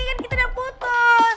kan kita udah putus